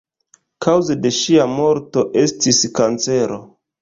Kaŭzo de ŝia morto estis kancero.